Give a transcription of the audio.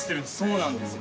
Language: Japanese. そうなんですよ